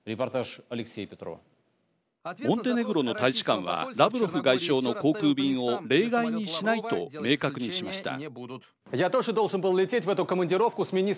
モンテネグロの大使館はラブロフ外相の航空便を例外にしないと明確にしました。